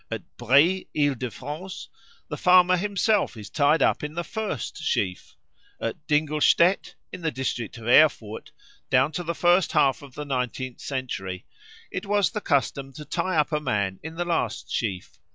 At Brie, Isle de France, the farmer himself is tied up in the first sheaf. At Dingelstedt, in the district of Erfurt, down to the first half of the nineteenth century it was the custom to tie up a man in the last sheaf.